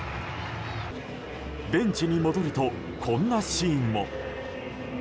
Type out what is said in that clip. ベンチに戻るとこんなシーンも。